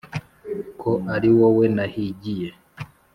ko ari wowe nahigiye’